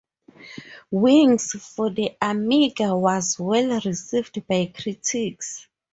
"Wings" for the Amiga was well received by critics.